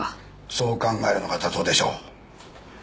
そう考えるのが妥当でしょう。